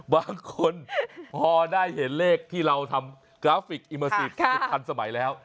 บางคนพอได้เห็นเลขที่เราทำกราฟิกอิเมอร์ซีฟสุดทันสมัยแล้ว